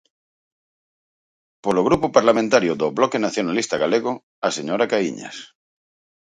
Polo Grupo Parlamentario do Bloque Nacionalista Galego, a señora Caíñas.